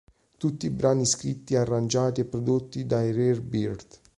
Tutti i brani scritti, arrangiati e prodotti dai Rare Bird.